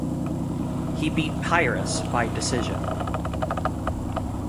He beat Piras by decision.